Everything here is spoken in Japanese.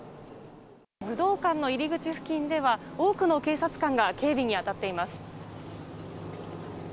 武道館の入り口付近では多くの警察官が警備に当たっています。